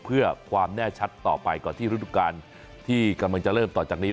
เพื่อความแน่ชัดต่อไปก่อนที่ฤดูกาลที่กำลังจะเริ่มต่อจากนี้